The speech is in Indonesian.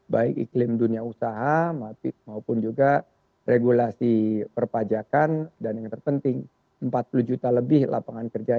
baik iklim dunia usaha maupun juga regulasi perpajakan dan yang terpenting empat puluh juta lebih lapangan kerja